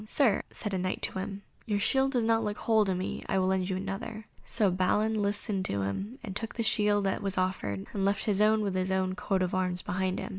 "Sir," said a Knight to him, "your shield does not look whole to me; I will lend you another;" so Balin listened to him and took the shield that was offered, and left his own with his own coat of arms behind him.